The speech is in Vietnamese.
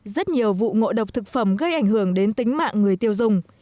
rất nhiều vụ ngộ độc thực phẩm gây ảnh hưởng đến tính mạng người tiêu dùng